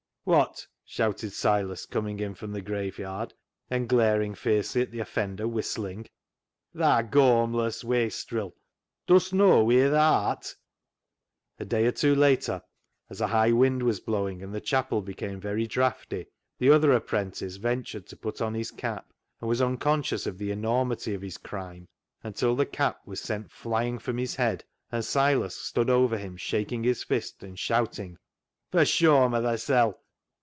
" Wot !" shouted Silas, coming in from the graveyard, and glaring fiercely at the offender whistling. " Thaa gaumless wastril, dust know wheer thaa art ?" A day or two later, as a high wind was blowing and the chapel became very draughty, the other apprentice ventured to put on his cap, and was unconscious of the enormity of his crime until the cap was sent flying from his head, and Silas stood over him shaking his fist and shouting —" For shawm o' thysel.